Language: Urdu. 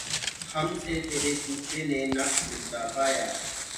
ہم سے تیرے کوچے نے نقش مدعا پایا